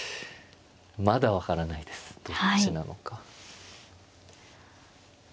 まだ分からないですどっちなのか。